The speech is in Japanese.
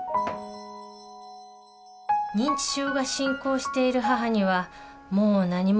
認知症が進行している母にはもう何もまかせられません。